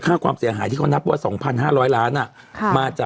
คือคือคือคือคือคือคือ